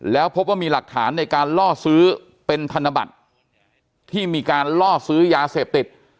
แล้วพบว่ามีหลักฐานในการล่อซื้อเป็นธนบัตรที่มีการล่อซื้อยาเสพติด